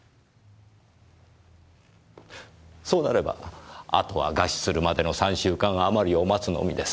そうなればあとは餓死するまでの３週間あまりを待つのみです。